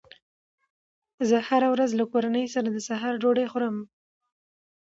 زه هره ورځ له کورنۍ سره د سهار ډوډۍ خورم